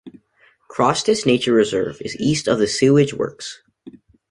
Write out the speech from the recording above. Crossness Nature Reserve is east of the sewage works.